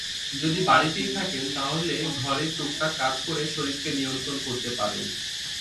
যদি বাড়িতেই থাকেন, তাহলে ঘরের টুকটাক কাজ করে শরীরকে নিয়ন্ত্রণ করতে পারেন।